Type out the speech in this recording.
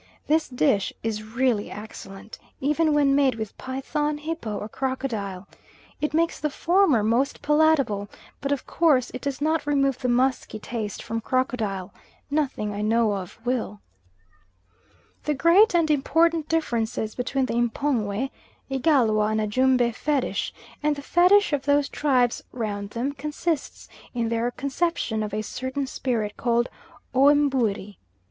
This dish is really excellent, even when made with python, hippo, or crocodile. It makes the former most palatable; but of course it does not remove the musky taste from crocodile; nothing I know of will. The great and important difference between the M'pongwe, Igalwa, and Ajumba fetish, and the Fetish of those tribes round them, consists in their conception of a certain spirit called O Mbuiri.